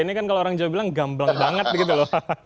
ini kan kalau orang jawa bilang gamblang banget begitu loh